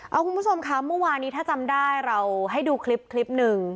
เอาคุณผู้ชมค่ะเมื่อวานนี้ถ้าจำได้เราให้ดูคลิปคลิปหนึ่ง